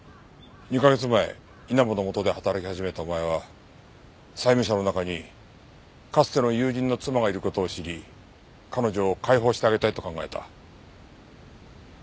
２カ月前稲葉の下で働き始めたお前は債務者の中にかつての友人の妻がいる事を知り彼女を解放してあげたいと考えた。